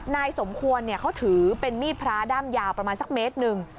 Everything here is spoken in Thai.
นายสมควรเขาถือเป็นมีดพลาด้ำยาวสักเมตรหนึ่ง